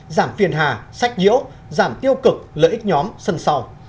giảm phiền hà sách nhiễu giảm tiêu cực lợi ích nhóm sân sau